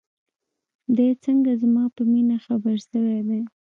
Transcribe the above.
دى څنگه زما په مينې خبر سوى دى.